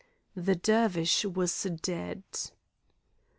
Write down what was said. The Dervish was dead.